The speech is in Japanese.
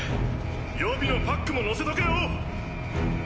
予備のパックものせとけよ。